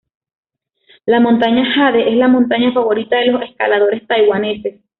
La Montaña Jade es la montaña favorita de los escaladores taiwaneses.